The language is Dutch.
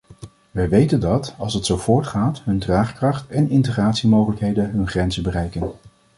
Wij weten dat, als het zo voortgaat, hun draagkracht en integratiemogelijkheden hun grenzen bereiken.